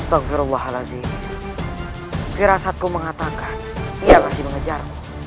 astagfirullahaladzim keras aku mengatakan ia masih mengejar